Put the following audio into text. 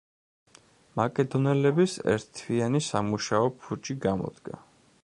მაკედონელების ერთთვიანი სამუშაო ფუჭი გამოდგა.